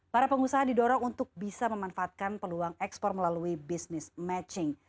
para pengusaha didorong untuk bisa memanfaatkan peluang ekspor melalui business matching